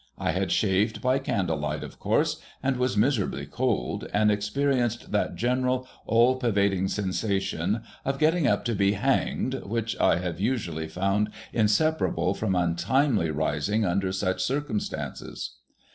I had shaved by candle light, of course, "and was miserably cold, and experienced that general all pervading sensation of getting up to be hanged which I have usually found inseparable from untimely rising under such circumstances.